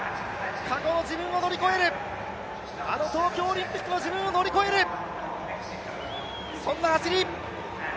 過去の自分を乗り越える、あの東京オリンピックの自分を乗り越える、そんな走り。